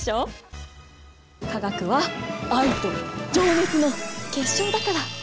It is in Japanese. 化学は愛と情熱の結晶だから！